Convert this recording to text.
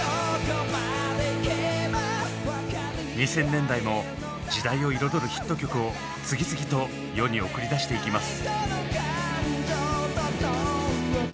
２０００年代も時代を彩るヒット曲を次々と世に送り出していきます。